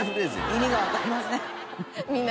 意味がわかりません。